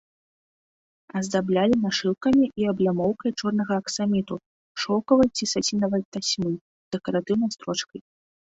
Аздаблялі нашыўкамі і аблямоўкай чорнага аксаміту, шоўкавай ці сацінавай тасьмы, дэкаратыўнай строчкай.